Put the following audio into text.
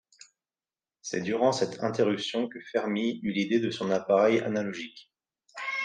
C'est durant cette interruption que Fermi eut l'idée de son appareil analogique.